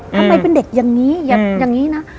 ทำไมเป็นเด็กอย่างนี้อย่างนี้นะ